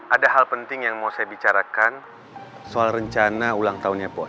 ada hal penting yang mau saya bicarakan soal rencana ulang tahunnya pon